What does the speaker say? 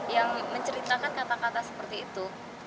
yang menceritakan kata kata seperti itu